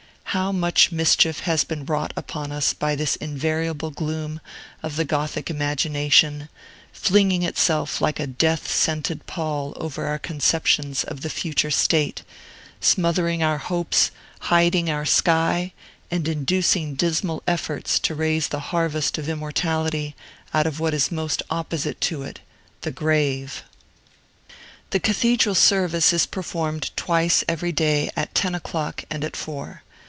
How much mischief has been wrought upon us by this invariable gloom of the Gothic imagination; flinging itself like a death scented pall over our conceptions of the future state, smothering our hopes, hiding our sky, and inducing dismal efforts to raise the harvest of immortality out of what is most opposite to it, the grave! The Cathedral service is performed twice every day at ten o'clock and at four.